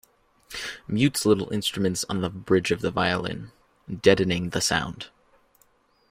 Mutes little instruments on the bridge of the violin, deadening the sound.